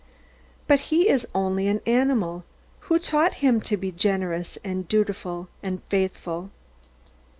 But he is only an animal. Who taught him to be generous, and dutiful, and faithful?